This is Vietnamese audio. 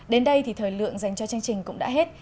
đến đây thì thời lượng dành cho chương trình cũng đã hết